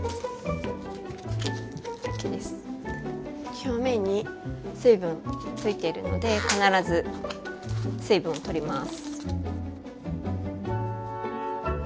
表面に水分ついてるので必ず水分を取ります。